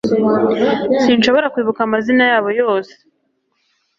sinshobora kwibuka amazina yabo yose